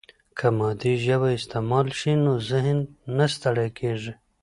که مادي ژبه استعمال شي، نو ذهن نه ستړی کیږي.